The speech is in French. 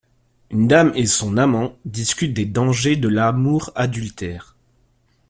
Une dame et son amant discutent des dangers de l’amour adultère.